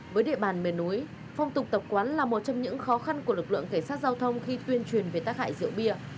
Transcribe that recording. với địa bàn miền núi phong tục tập quán là một trong những khó khăn của lực lượng cảnh sát giao thông khi tuyên truyền về tác hại rượu bia